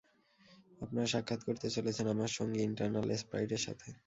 আপনারা সাক্ষাৎ করতে চলেছেন আমার সঙ্গী ইটারনাল স্প্রাইটের সাথে।